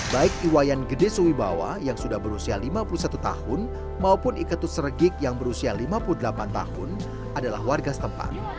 baik iwayan gede suwibawa yang sudah berusia lima puluh satu tahun maupun iketus regik yang berusia lima puluh delapan tahun adalah warga setempat